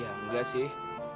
ya nggak sih